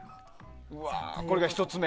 これが１つ目。